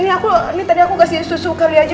ini tadi aku kasih susu kali aja